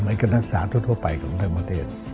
เหมือนกับนักศึกษาทั่วไปของประเทศ